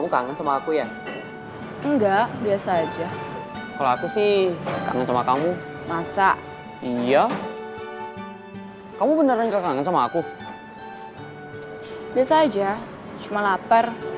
kalau saya pernah jadi penghuni lp